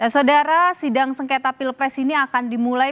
saudara sidang sengketa pilpres ini akan dimulai